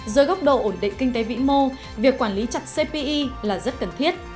dưới góc độ ổn định kinh tế vĩ mô việc quản lý chặt cpi là rất cần thiết